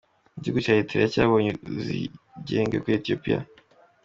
Igihugu cya Eritrea cyabonye uzwigenge kuri Ethiopia.